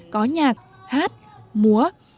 có nhạc hát múa